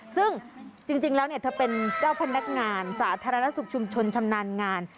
ซึ่งจริงแล้วเธอเป็นเจ้าพนักงานสาธารณสุขชุมชนชำนาญงาน